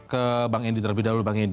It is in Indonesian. ke bang edi terlebih dahulu